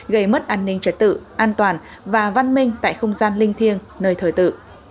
gây mất an ninh trật tự an toàn và văn minh tại không gian linh thiêng nơi thời tự